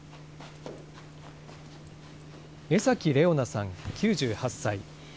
江崎玲於奈さん９８歳。